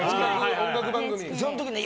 音楽番組。